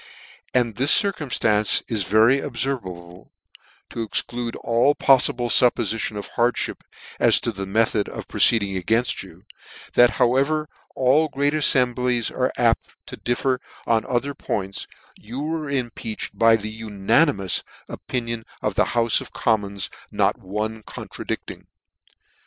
" And this circumftance is very obfervable, (to exclude all pofiible fuppofition of hardmip, as to the method of proceeding againft you) that however all great afiemblies are apt to differ en other points, you were impeached by the unani mous opinion of the Houfe of Commons, not one contradicting.